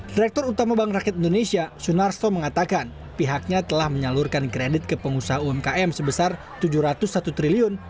direktur utama bank rakyat indonesia sunarso mengatakan pihaknya telah menyalurkan kredit ke pengusaha umkm sebesar rp tujuh ratus satu triliun